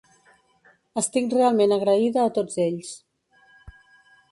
Estic realment agraïda a tots ells.